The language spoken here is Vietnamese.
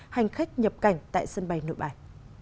hành khách nhập cảnh tại sân bay nội bài